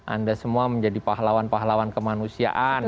anda semua menjadi pahlawan pahlawan kemanusiaan